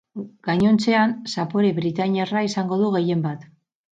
Gainontzean, zapore britainiarra izango du gehien bat.